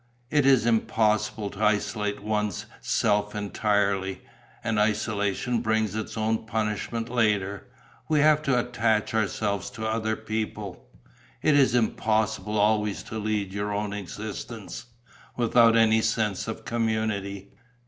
It is impossible to isolate one's self entirely; and isolation brings its own punishment later. We have to attach ourselves to other people: it is impossible always to lead your own existence, without any sense of community."